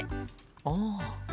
ああ。